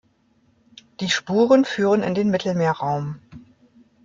Die Spuren führen in den Mittelmeerraum.